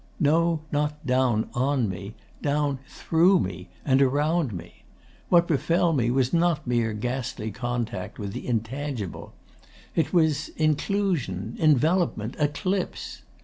'No, not down ON me. Down THROUGH me and around me. What befell me was not mere ghastly contact with the intangible. It was inclusion, envelopment, eclipse.